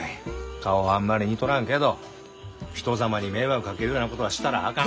顔はあんまり似とらんけど人様に迷惑かけるようなことはしたらあかん。